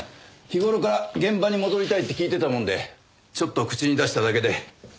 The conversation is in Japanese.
日頃から現場に戻りたいって聞いてたもんでちょっと口に出しただけで。